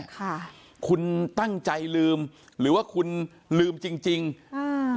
ค่ะคุณตั้งใจลืมหรือว่าคุณลืมจริงจริงอืม